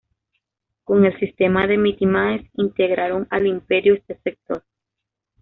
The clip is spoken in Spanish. Con el sistema de mitimaes integraron al imperio este sector.